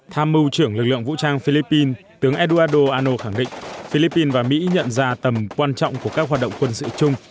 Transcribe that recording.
tham mưu trưởng lực lượng vũ trang philippines tướng édouardo ano khẳng định philippines và mỹ nhận ra tầm quan trọng của các hoạt động quân sự chung